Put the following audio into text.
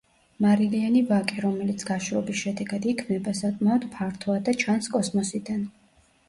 მარილიანი ვაკე, რომელიც გაშრობის შედეგად იქმნება, საკმაოდ ფართოა და ჩანს კოსმოსიდან.